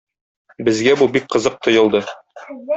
Безгә бу бик кызык тоелды